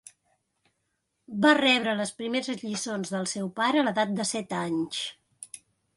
Va rebre les primeres lliçons del seu pare a l'edat de set anys.